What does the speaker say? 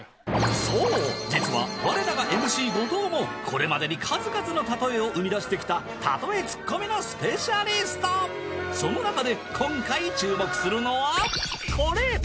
そう実は我らがＭＣ後藤もこれまでに数々のたとえを生み出してきたたとえツッコミのスペシャリストその中で今回注目するのはコレ！